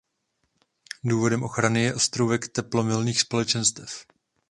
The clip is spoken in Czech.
Důvodem ochrany je ostrůvek teplomilných společenstev.